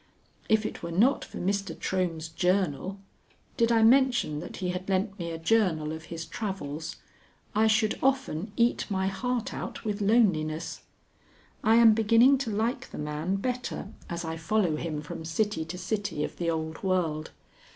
If it were not for Mr. Trohm's journal (Did I mention that he had lent me a journal of his travels?) I should often eat my heart out with loneliness. I am beginning to like the man better as I follow him from city to city of the old world.